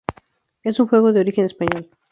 Es un juego de origen español.